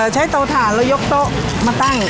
ใช้โต๊ะถ่านแล้วยกโต๊ะมาตั้ง